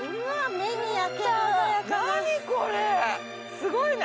すごいね！